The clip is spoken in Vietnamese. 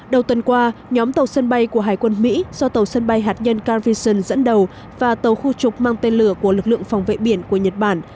đầu tuần qua nhóm tàu sân bay của hải quân mỹ do tàu sân bay hạt nhân karvison dẫn đầu và tàu khu trục mang tên lửa của lực lượng phòng vệ biển của nhật bản